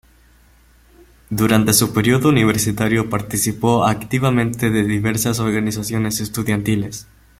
Durante su período universitario participó activamente de diversas organizaciones estudiantiles.